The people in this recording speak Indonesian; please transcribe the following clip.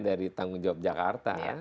dari tanggung jawab jakarta